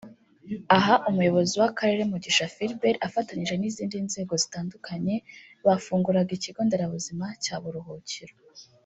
Aha umuyobozi w’akarere Mugisha Philbert afatanije n’izindi nzego zitandukanye bafunguraga ikigo nderabuzima cya Buruhukiro